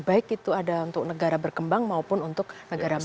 baik itu ada untuk negara berkembang maupun untuk negara maju